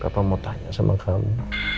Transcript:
apa mau tanya sama kamu